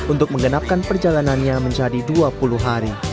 untuk menggenapkan perjalanannya menjadi dua puluh hari